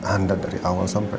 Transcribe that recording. anda dari awal sampai